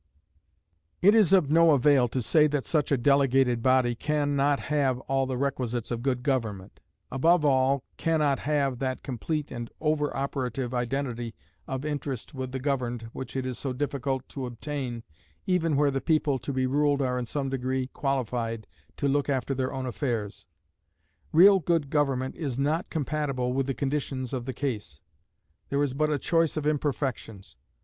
It is of no avail to say that such a delegated body can not have all the requisites of good government; above all, can not have that complete and over operative identity of interest with the governed which it is so difficult to obtain even where the people to be ruled are in some degree qualified to look after their own affairs. Real good government is not compatible with the conditions of the case. There is but a choice of imperfections.